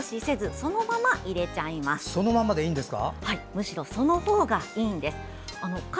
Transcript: そのままでいいんですか。